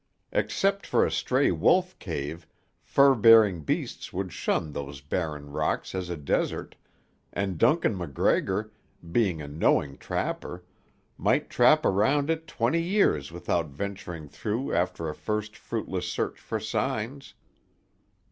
Except for a stray wolf cave, fur bearing beasts would shun those barren rocks as a desert, and Duncan MacGregor, being a knowing trapper, might trap around it twenty years without venturing through after a first fruitless search for signs.